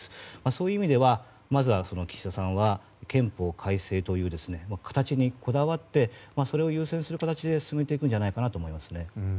そういう意味ではまずは岸田さんは憲法改正という形にこだわってそれを優先する形で進めていくと思います。